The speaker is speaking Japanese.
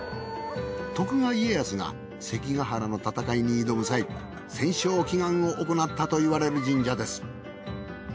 徳川家康が関ヶ原の戦いに挑む際戦勝祈願をおこなったといわれる神社です。